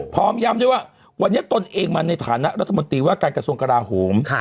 พร้อมย้ำด้วยว่าวันนี้ตนเองมาในฐานะรัฐมนตรีว่าการกระทรวงกราโหม